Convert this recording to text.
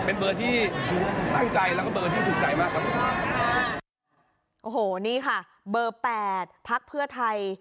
โอ้โหนี่ค่ะเบอร์๘พักเพื่อไทย